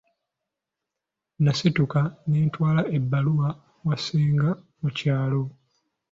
Nasituka ne ntwala ebbaluwa ewa ssenga mu kyalo.